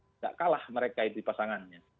tidak kalah mereka itu pasangannya